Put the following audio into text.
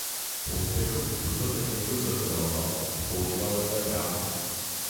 Po úspěchu tuto techniku zdokonaloval a používal ve své práci.